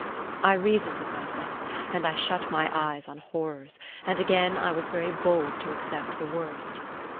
I reasoned with myself; and I shut my eyes on horrors, and again I was very bold to accept the worst.